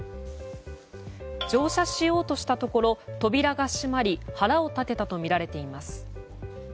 乗車しようとしたところ扉が閉まり腹を立てたとみられています。